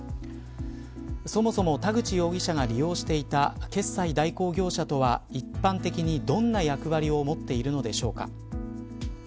そもそも田口容疑者が利用していた決済代行業者とは一般的にどんな役割を持っているのでしょうか。